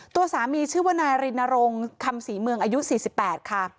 ตัวสามีชื่อว่านายรินรงค์คำศรีเมืองอายุ๔๘ค่ะ